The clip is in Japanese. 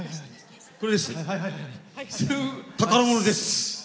宝物です！